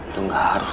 lu gak harus